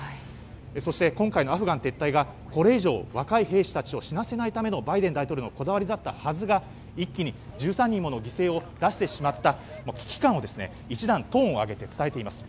そして今回のアフガン撤退がこれ以上、若い兵士たちを死なせないためのバイデン大統領のこだわりだったはずが一気に１３人もの犠牲を出してしまった危機感を、一段トーンを上げて伝えています。